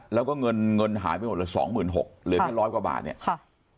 แล้วก็เงินเงินหายไปหมดเลยสองหมื่นหกเหลือแค่ร้อยกว่าบาทเนี่ยค่ะ